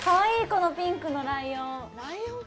このピンクのライオン。